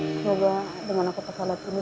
semoga dengan aku pesawat ini